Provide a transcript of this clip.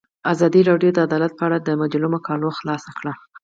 ازادي راډیو د عدالت په اړه د مجلو مقالو خلاصه کړې.